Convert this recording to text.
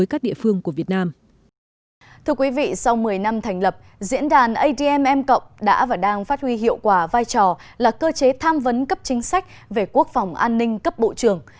admm cộng đã và đang phát huy hiệu quả vai trò là cơ chế tham vấn cấp chính sách về quốc phòng an ninh cấp bộ trưởng